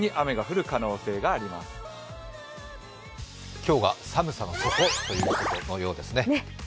今日が寒さの底ということのようですね。